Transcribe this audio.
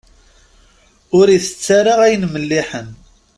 Ur itett ara ayen melliḥen.